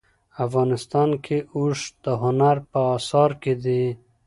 افغانستان کې اوښ د هنر په اثار کې دي.